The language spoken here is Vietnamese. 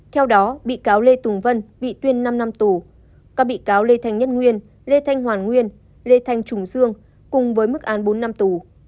theo đó bị cáo lê tùng vân bị tuyên năm năm tù các bị cáo lê thành nhất nguyên lê thành hoàn nguyên lê thành trùng dương cùng với mức án bốn năm tù